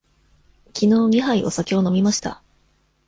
きのう二杯お酒を飲みました。